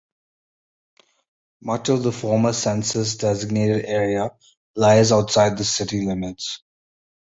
Much of the former census-designated area lies outside the city limits.